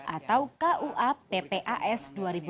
atau kuap ppas dua ribu dua puluh